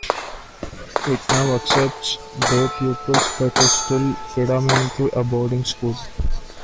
It now accepts day pupils but is still predominantly a boarding school.